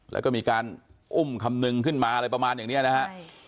แล้วก็มีการอุ้มคำนึงขึ้นมาอะไรประมาณอย่างนี้นะฮะ